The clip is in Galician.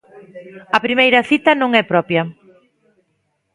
A primeira cita non é propia.